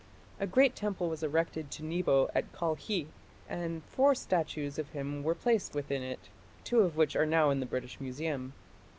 A great temple was erected to Nebo at Kalkhi, and four statues of him were placed within it, two of which are now in the British Museum.